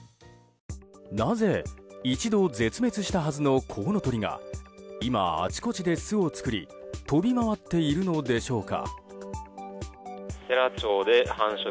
なぜ、一度絶滅したはずのコウノトリが今、あちこちで巣を作り飛び回っているのでしょうか。